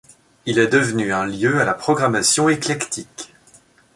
Il est devenu un lieu à la programmation éclectique.